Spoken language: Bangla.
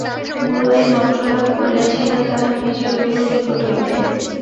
গুরু এই মন্ত্র লাভ করিয়াছিলেন তাঁহার নিজের গুরুর নিকট হইতে।